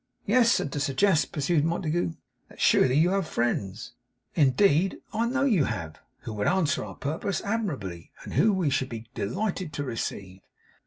'Yes. And to suggest,' pursued Montague, 'that surely you have friends; indeed, I know you have; who would answer our purpose admirably, and whom we should be delighted to receive.